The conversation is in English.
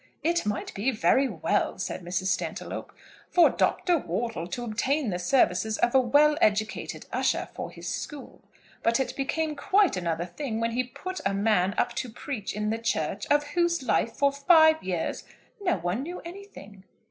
"It might be very well," said Mrs. Stantiloup, "for Dr. Wortle to obtain the services of a well educated usher for his school, but it became quite another thing when he put a man up to preach in the church, of whose life, for five years, no one knew anything."